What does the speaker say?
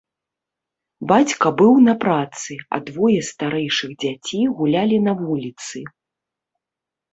Бацька быў на працы, а двое старэйшых дзяцей гулялі на вуліцы.